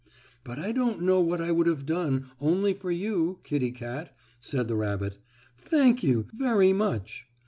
"But I don't know what I would have done, only for you, Kittie Kat," said the rabbit. "Thank you, very much.